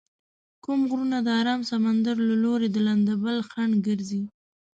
کوم غرونه د ارام سمندر له لوري د لندبل خنډ ګرځي؟